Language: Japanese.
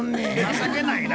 情けないな。